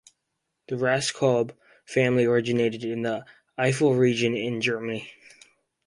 The Raskob family originated in the Eifel region in Germany.